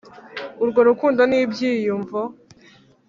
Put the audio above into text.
urwo rukundo ni ibyiyumvo